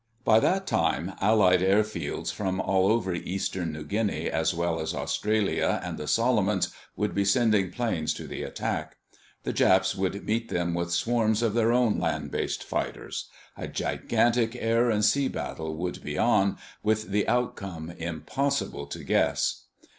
By that time Allied airfields from all over eastern New Guinea as well as Australia and the Solomons would be sending planes to the attack. The Japs would meet them with swarms of their own land based fighters. A gigantic air and sea battle would be on, with the outcome impossible to guess.